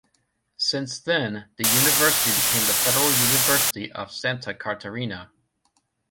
Since then the university became the Federal University of Santa Catarina.